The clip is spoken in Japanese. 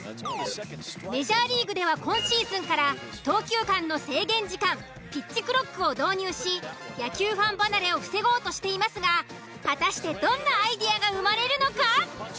メジャーリーグでは今シーズンから投球間の制限時間ピッチクロックを導入し野球ファン離れを防ごうとしていますが果たしてどんなアイデアが生まれるのか？